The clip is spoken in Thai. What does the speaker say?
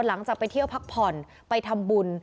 หลังจากไปเที่ยวพักผ่อนไปทำบุญ